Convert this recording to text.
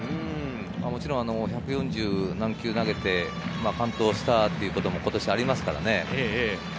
もちろん１４０何球投げて、完投したということも今年ありますからね。